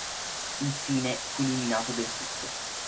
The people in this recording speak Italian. Infine fu eliminato del tutto.